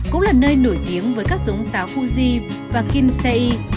cũng là nơi nổi tiếng với các dống táo fuji và kinsei